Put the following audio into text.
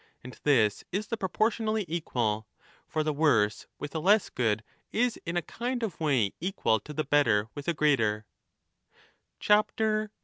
And this is the proportionally equal. For the worse with a less good is in a kind of way equal to the better with a greater.